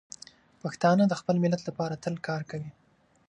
پښتانه د خپل ملت لپاره تل کار کوي.